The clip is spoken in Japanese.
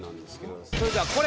それでは。